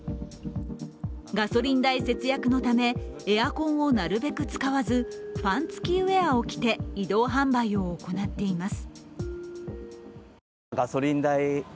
ガソリン代節約のためエアコンをなるべく使わずファン付きウエアを着て、移動販売を行っています。